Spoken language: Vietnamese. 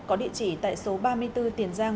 có địa chỉ tại số ba mươi bốn tiền giang